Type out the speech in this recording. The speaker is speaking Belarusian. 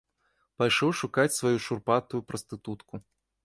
Пайшоў шукаць сваю шурпатую прастытутку.